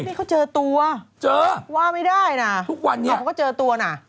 นี่เขาเจอตัวว่าไม่ได้น่ะหลอกเขาก็เจอตัวน่ะเจอ